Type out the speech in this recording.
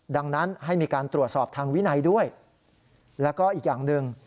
ดังนั้นให้มีการตรวจสอบทางวินัยด้วยแล้วก็อีกอย่างหนึ่ง